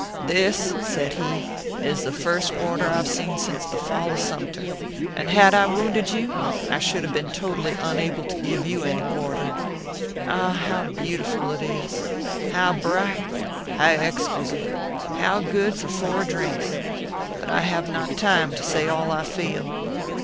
" This," said he, " is the first quarter I ve seen since the fall of Sumter ; and, had I wounded you, I should have been totally unable to give you any quar ORPHEUS C. KERR PAPERS. 123 ter. Ah ! how beautiful it is ! how bright, how ex quisite, and good for four drinks ! But I have not time to say all I feel."